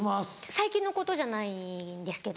最近のことじゃないんですけど。